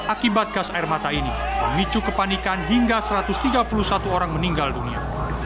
akibat gas air mata ini memicu kepanikan hingga satu ratus tiga puluh satu orang meninggal dunia